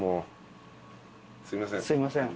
すいません。